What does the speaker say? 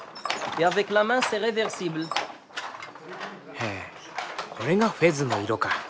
へぇこれがフェズの色か。